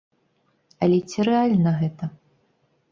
Але ці рэальна гэта?